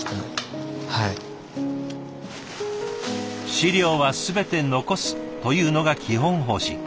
資料は全て残すというのが基本方針。